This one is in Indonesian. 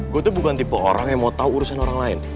gue tuh bukan tipe orang yang mau tahu urusan orang lain